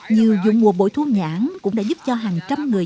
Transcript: nhiều dụng mùa bổi thu nhãn cũng đã giúp cho hàng trăm người